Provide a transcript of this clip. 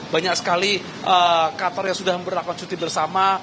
banyak sekali kantor yang sudah memperlakukan cuti bersama